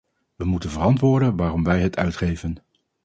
We moeten verantwoorden waarom wij het uitgeven.